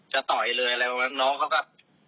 จะต่อยเลยแล้วน้องเขาก็